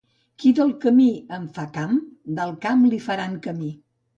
Qui del camí en fa camp, del camp li faran camí.